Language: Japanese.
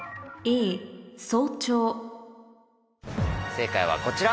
正解はこちら。